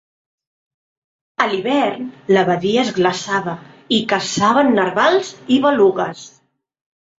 A l'hivern, la badia es glaçava i caçaven narvals i belugues.